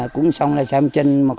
cúng xong là xem chân